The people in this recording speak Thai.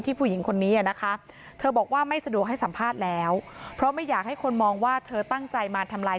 ผู้หญิงคนนี้นะคะเธอบอกว่าไม่สะดวกให้สัมภาษณ์แล้วเพราะไม่อยากให้คนมองว่าเธอตั้งใจมาทำลาย